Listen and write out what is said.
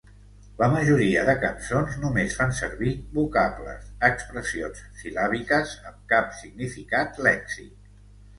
La majoria de cançons només fan servir vocables, expressions sil·làbiques amb cap significat lèxic.